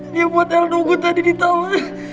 dia buat el nunggu tadi di tala